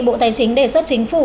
bộ tài chính đề xuất chính phủ